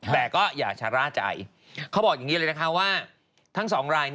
แต่ก็อย่าชะล่าใจเขาบอกอย่างนี้เลยนะคะว่าทั้งสองราย